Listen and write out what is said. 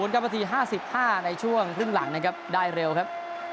๒๐กับประตู๕๕ในช่วงขึ้นหลังนะครับได้เร็วครับ